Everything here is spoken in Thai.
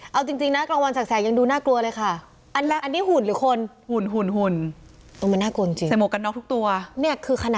เอาจริงนะกลางวันแสกยังดูน่ากลัวเลยค่ะ